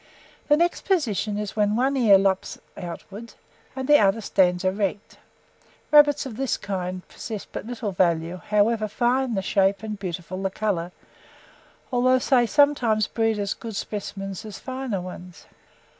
The next position is when one ear lops outwards, and the other stands erect: rabbits of this kind possess but little value, however fine the shape and beautiful the colour, although they sometimes breed as good specimens as finer ones.